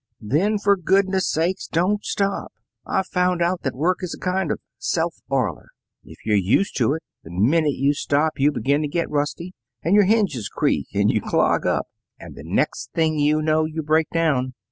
"Then for goodness' sake don't stop! I've found out that work is a kind of self oiler. If you're used to it, the minute you stop you begin to get rusty, and your hinges creak and you clog up. And the next thing you know, you break down.